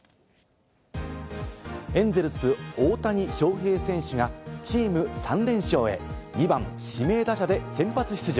エンゼルスの大谷翔平選手がチーム３連勝へ、２番・指名打者で先発出場。